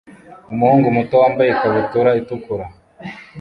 Umuhungu muto wambaye ikabutura itukura